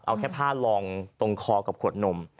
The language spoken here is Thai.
เอาแค่ผ้าลองตรงคอกับขวดนม